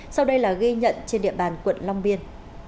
sau đây là ghi nhận trên địa bàn quận long biên